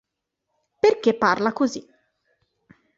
Perché parla così.